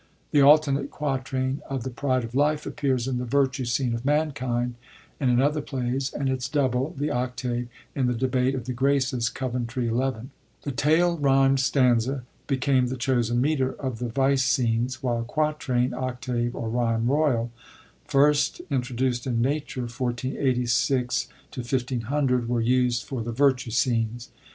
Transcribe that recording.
The alternate quatrain of the Pride of Life appears in the virtue scene of Manhmd and in other plays, and its douhle, the * octave,* in the Debate of the Graces (Coventry XI.)* The tail r3nned stanza became the chosen metre of the vice scenes, while quatrain, octave or ryme royal (first introduced in Natwre, 1486 1600) were used for the virtue scenes.